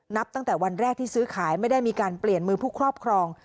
นับตั้งแต่วันแรกที่ซื้อขายไม่ได้มีการเปลี่ยนมือผู้ครอบครอง